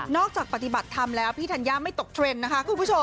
นอกจากปฏิบัติธรรมแล้วพี่ธัญญาไม่ตกเทรนด์นะคะค่ะ